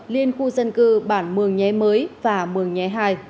liên khu dân cư bản mường nhé mới và mường nhé hai